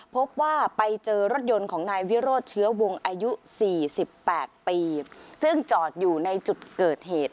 พบว่าไปเจอรถยนต์ของนายวิโรธเชื้อวงอายุ๔๘ปีซึ่งจอดอยู่ในจุดเกิดเหตุ